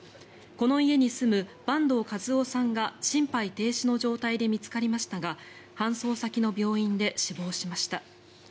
この家に住む坂東和雄さんが心肺停止の状態で見つかりましたが搬送先の病院で死亡しました。